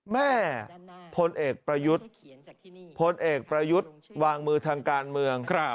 พลเอกประยุทธ์พลเอกประยุทธ์วางมือทางการเมือง